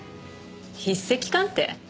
筆跡鑑定？